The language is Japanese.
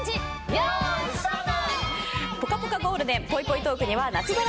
よーい、スタート！